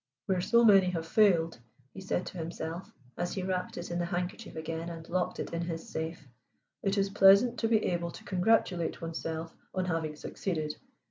"Where so many have failed," he said to himself, as he wrapped it in the handkerchief again and locked it in his safe, "it is pleasant to be able to congratulate oneself on having succeeded.